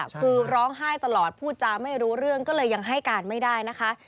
คือร้องไห้ตลอดพูดจาไม่รู้เรื่องก็เลยยังให้การไม่ได้นะคะ